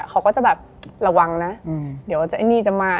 เขาก็จะแบบระวังนะเดี๋ยวจะมา